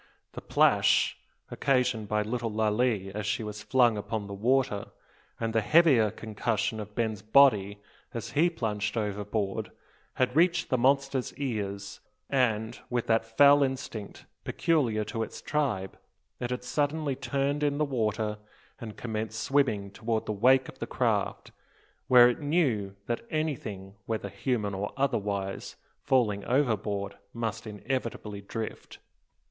The plash occasioned by little Lalee as she was flung upon the water, and the heavier concussion of Ben's body as he plunged overboard, had reached the monster's ears; and, with that fell instinct peculiar to its tribe, it had suddenly turned in the water, and commenced swimming toward the wake of the craft; where it knew that anything, whether human or otherwise, falling overboard, must inevitably drift.